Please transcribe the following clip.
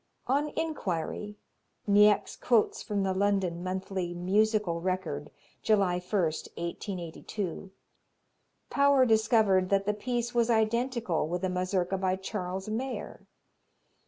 On inquiry Niecks quotes from the London monthly "Musical Record," July 1, 1882 Pauer discovered that the piece was identical with a Mazurka by Charles Mayer.